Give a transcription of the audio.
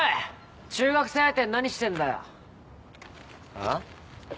あっ？